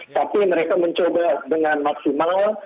tapi mereka mencoba dengan maksimal